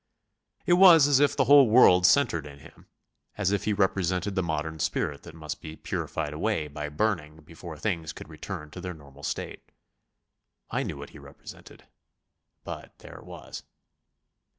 It was as if the whole world centred in him, as if he represented the modern spirit that must be purified away by burning before things could return to their normal state. I knew what he represented ... but there it was.